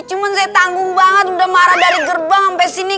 cuma saya tanggung banget udah marah dari gerbang sampai sini